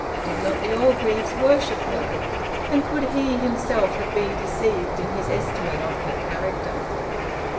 Did not the Orgreaves worship her? And could he himself have been deceived in his estimate of her character?